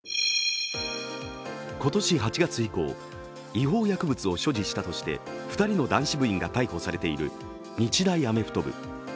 今年８月以降、違法薬物を所持したとして２人の男子部員が逮捕されている日大アメフト部。